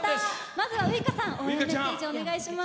まずはウイカさん応援をお願いします。